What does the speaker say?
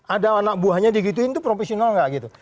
ada anak buahnya digituin itu profesional nggak gitu